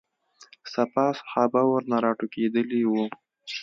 سپاه صحابه ورنه راټوکېدلي وو.